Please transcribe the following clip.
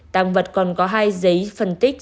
tạm vật còn có hai giấy phân tích